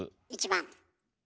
１番。